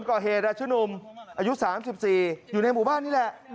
อายุ๓๔ชื่อนุ่มอยู่ในหมู่บ้านนี่แหละ